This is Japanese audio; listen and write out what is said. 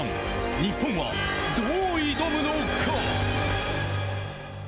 日本はどう挑むのか。